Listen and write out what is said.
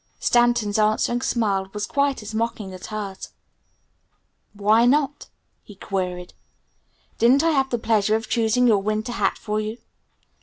Stanton's answering smile was quite as mocking as hers. "Why not?" he queried. "Didn't I have the pleasure of choosing your winter hat for you?